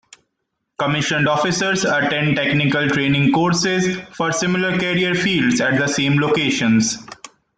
Commissioned officers attend technical training courses for similar career fields at the same locations.